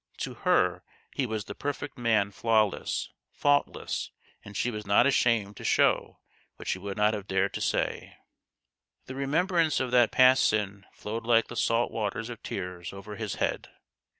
To her he was the perfect man flawless, faultless and she was not ashamed to show what she would not have dared to say. 160 THE GHOST OF THE PAST. The remembrance of that past sin flowed like the salt waters of tears over his head.